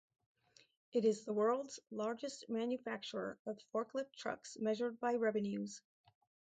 It is the world's largest manufacturer of forklift trucks measured by revenues.